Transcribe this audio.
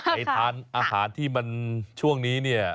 ให้ทานอาหารที่ช่วงนี้นี่